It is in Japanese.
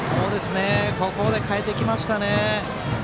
ここで代えてきましたね。